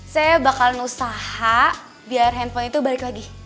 saya bakalan usaha biar handphone itu balik lagi